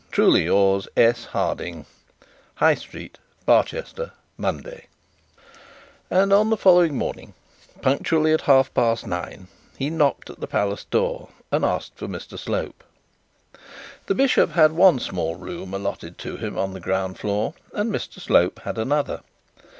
"Truly yours, S. HARDING" And on the following morning, punctually at half past nine, he knocked at the palace door, and asked for Mr Slope. The bishop had one small room allotted to him on the ground floor, and Mr Slope had another.